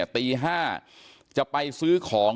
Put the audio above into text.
ตี๕จะไปซื้อของ